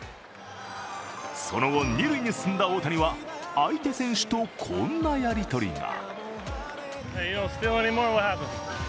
その後、二塁に進んだ大谷は相手選手とこんなやり取りが。